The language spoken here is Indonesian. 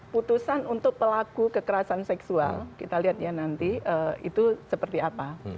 putusan untuk pelaku kekerasan seksual kita lihat ya nanti itu seperti apa